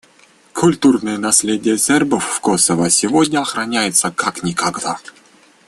Культурное наследие сербов в Косово сегодня охраняется как никогда.